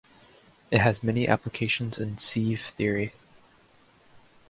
It has many applications in sieve theory.